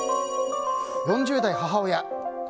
４０代、母親。